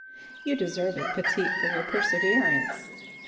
"You deserve it, Petite, for your perseverance!